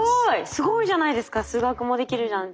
すごいじゃないですか数学もできるなんて。